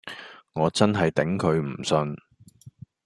我真係頂佢唔順